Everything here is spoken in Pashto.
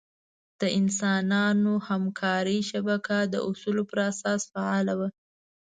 د انسانانو همکارۍ شبکه د اصولو پر اساس فعاله وه.